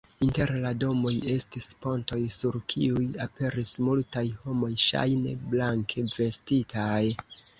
Inter la domoj estis pontoj, sur kiuj aperis multaj homoj ŝajne blanke vestitaj.